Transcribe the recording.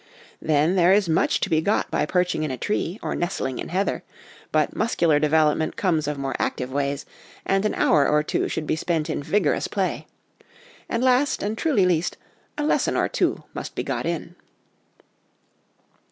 Then, there is much to be got by OUT OF DOOR LIFE FOR THE CHILDREN 45 perching in a tree or nestling in heather, but muscular development comes of more active ways, and an hour or two should be spent in vigorous play ; and last, and truly least, a lesson or two must be got in.